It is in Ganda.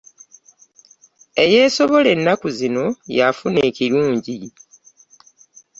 Eyeesobola ennaku zino y'afuna ekirungi.